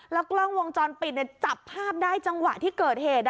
กล้องวงจรปิดจับภาพได้จังหวะที่เกิดเหตุ